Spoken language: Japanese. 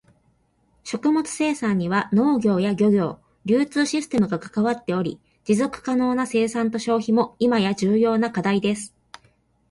食物生産には農業や漁業、流通システムが関わっており、持続可能な生産と消費も今や重要な課題です。